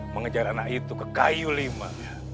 mengejar anak itu ke kayu lima